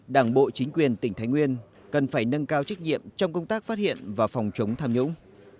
đảng bộ chính quyền tỉnh thái nguyên cần phải nâng cao trách nhiệm trong công tác phát hiện và phòng chống tham nhũng